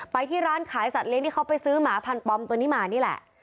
ไปที่ร้านขายสัตเลี้ยที่เขาไปซื้อหมาพันปลอมตัวนี้มานี่แหละ